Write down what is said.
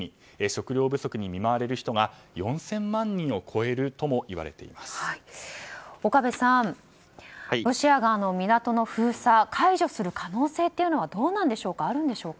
食糧不足に見舞われる人が４０００万人を超えるとも岡部さん、ロシアが港の封鎖を解除する可能性はあるんでしょうか？